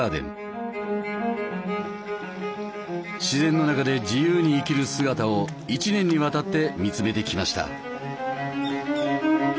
自然の中で自由に生きる姿を１年にわたって見つめてきました。